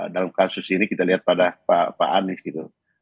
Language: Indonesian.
dalam kasus ini kita lihat pada pak anies gitu